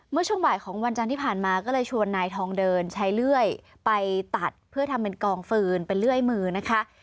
เมื่อช่วงบ่ายของวันจันทร์ที่ผ่านมาก็เลยชวนนายทองเดินใช้เลื่อยไปตัดเพื่อทำเป็นกองฟืนเป็นเลื่อยมือนะคะ